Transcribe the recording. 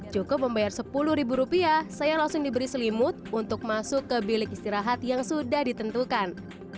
cukup membayar sepuluh ribu rupiah saya langsung diberi selimut untuk masuk ke bilik istirahat yang sudah ditentukan